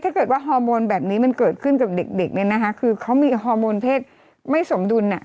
เริ่มแบบมีหน้าอกแล้วอ